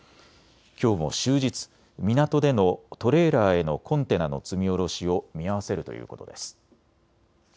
きょうも終日、港でのトレーラーへのコンテナの積み降ろしを見合わせるということです。